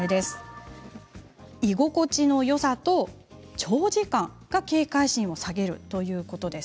居心地のよさと長時間が警戒心を下げるということです。